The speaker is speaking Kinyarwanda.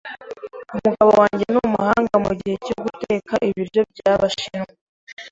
Umugabo wanjye ni umuhanga mugihe cyo guteka ibiryo byabashinwa.